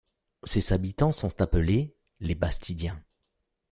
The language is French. Ses habitants sont appelés les Bastidiens.